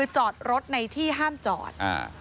จอดรถในที่ห้ามจอด